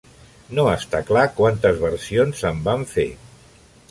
No està clar quantes versions se'n van fer.